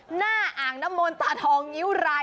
หน้าอ่างน้ำมนตาทองงิ้วราย